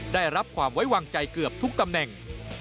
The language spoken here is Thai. ได้รับความไว้วางใจเกือบทุกตำแหน่ง